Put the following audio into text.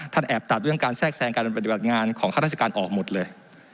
แอบตัดเรื่องการแทรกแทรงการปฏิบัติงานของข้าราชการออกหมดเลย